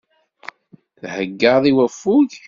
Theggaḍ i waffug.